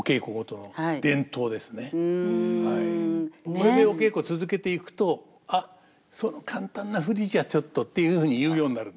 これでお稽古続けていくと「あっその簡単な振りじゃちょっと」っていうふうに言うようになるんですよ。